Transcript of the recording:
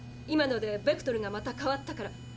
今のでベクトルがまた変わったから。